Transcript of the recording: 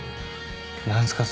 何ですか？